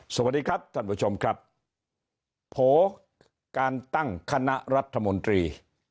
สวัสดีครับท่านผู้ชมครับโผล่การตั้งคณะรัฐมนตรี